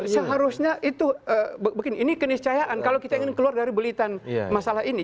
seharusnya itu begini ini keniscayaan kalau kita ingin keluar dari belitan masalah ini